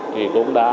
thì cũng đã